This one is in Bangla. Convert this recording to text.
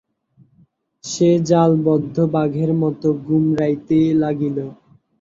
সে জালবদ্ধ বাঘের মতো গুমরাইতে লাগিল।